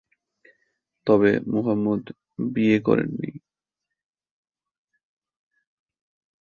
তবে মুহাম্মাদ বিয়ে করেননি।